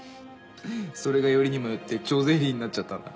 それがよりにもよって徴税吏員になっちゃったんだ。